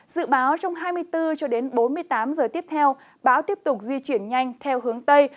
dự báo trong hai mươi bốn cho đến bốn mươi tám giờ tiếp theo bão tiếp tục di chuyển nhanh theo hướng tây